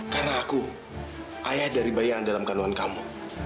karena aku ayah dari bayi yang ada dalam kandungan kamu